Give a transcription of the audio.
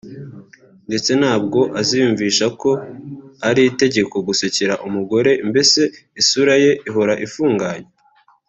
ndetse ntabwo aziyumvisha ko ari itegeko gusekera umugore mbese isura ye ihora ifunganye